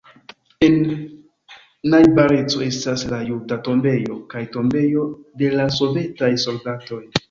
En najbareco estas La juda tombejo kaj Tombejo de la sovetaj soldatoj.